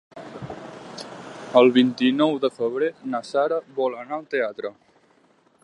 El vint-i-nou de febrer na Sara vol anar al teatre.